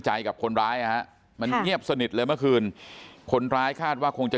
กับคนร้ายนะฮะมันเงียบสนิทเลยเมื่อคืนคนร้ายคาดว่าคงจะ